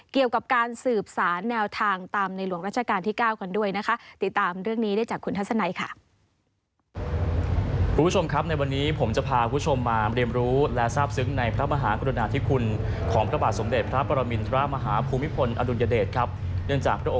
เกี่ยวกับการสืบสารแนวทางตามในหลวงรัชกาลที่๙ก่อนด้วยนะคะ